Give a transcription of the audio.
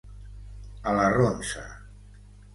A la ronsa.